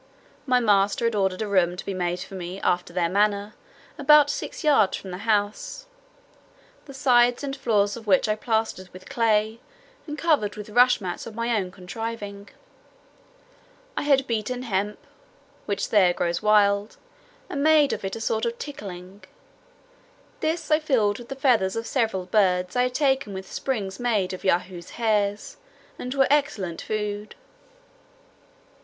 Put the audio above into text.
My master had ordered a room to be made for me, after their manner, about six yards from the house: the sides and floors of which I plastered with clay, and covered with rush mats of my own contriving. I had beaten hemp, which there grows wild, and made of it a sort of ticking; this I filled with the feathers of several birds I had taken with springes made of Yahoos' hairs, and were excellent food.